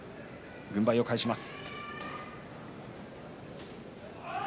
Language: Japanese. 軍配を返します。